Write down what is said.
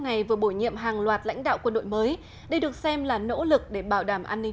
này vừa bổ nhiệm hàng loạt lãnh đạo quân đội mới đây được xem là nỗ lực để bảo đảm an ninh